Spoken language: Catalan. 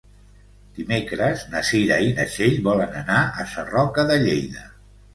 Dimecres na Cira i na Txell volen anar a Sarroca de Lleida.